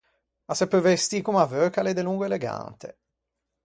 A se peu vestî comm’a veu ch’a l’é delongo elegante.